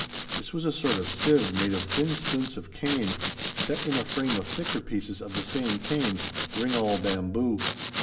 This was a sort of sieve made of thin splints of cane, set in a frame of thicker pieces of the same cane ringall bamboo.